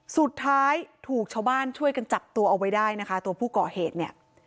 สุดท้ายถูกชาวบ้านช่วยกันจับตัวเอาไว้ได้นะคะตัวผู้ก่อเหตุเนี่ย